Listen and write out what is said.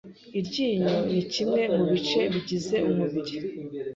Iryinyo ni kimwe mu bice bigize umubiri